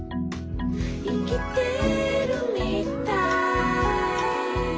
「いきてるみたい」